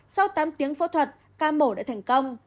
sau tám tiếng phẫu thuật ca mổ đã thành công